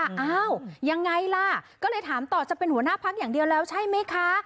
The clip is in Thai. อ้าวยังไงล่ะก็เลยถามต่อจะเป็นหัวหน้าพักอย่างเดียวแล้วใช่ไหมคะ